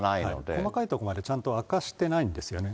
細かいところまでちゃんと明かしてないんですよね。